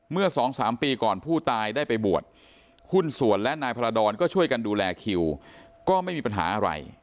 เมื่อสองสามปีก่อนผู้ตายได้ไปบวชหุ้นส่วนและนายพรดรก็ช่วยกันดูแลคิวก็ไม่มีปัญหาอะไร